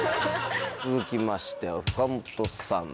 続きまして岡本さん。